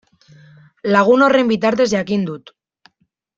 Lagun horren bitartez jakin dut.